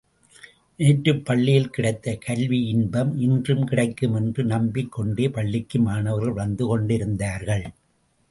நேற்று பள்ளியில் கிடைத்த கல்வியின்பம் இன்றும் கிடைக்கும் என்று நம்பிக் கொண்டே பள்ளிக்கு மாணவர்கள் வந்து கொண்டிருந்தார்கள்.